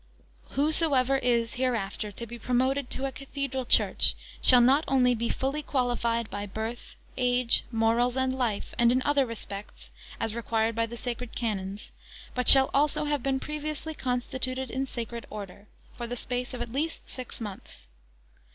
Whosoever is, hereafter, to be promoted to a cathedral church shall not only be fully qualified by birth, age, morals, and life, and, in other respects, as required by the sacred canons, but shall also have been previously constituted in sacred Order, for the space of at least six months.